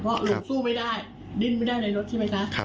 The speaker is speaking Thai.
เพราะลุงสู้ไม่ได้ดิ้นไม่ได้ในรถใช่ไหมคะ